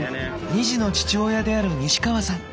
２児の父親である西川さん。